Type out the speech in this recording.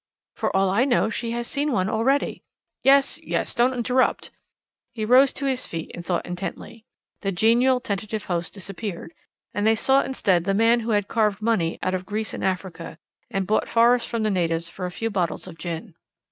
"For all I know she has seen one already." "Yes, yes; don't interrupt." He rose to his feet and thought intently. The genial, tentative host disappeared, and they saw instead the man who had carved money out of Greece and Africa, and bought forests from the natives for a few bottles of gin.